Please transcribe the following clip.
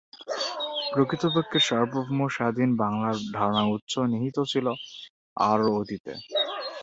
প্রকৃতপক্ষে সার্বভৌম স্বাধীন বাংলার ধারণার উৎস নিহিত ছিল আরও অতীতে।